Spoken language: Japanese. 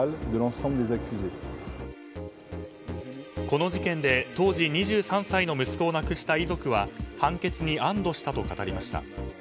この事件で当時２３歳の息子を亡くした遺族は判決に安堵したと語りました。